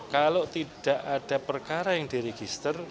kalau tidak ada perkara yang diregister